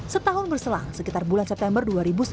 setahun berselang sekitar bulan september dua ribu sembilan belas